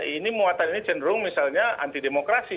ini muatan ini cenderung misalnya anti demokrasi